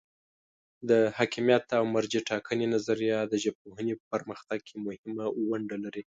د حاکمیت او مرجع ټاکنې نظریه د ژبپوهنې په پرمختګ کې مهمه ونډه لري.